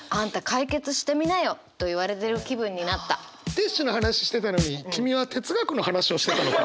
ティッシュの話してたのに君は哲学の話をしてたのか？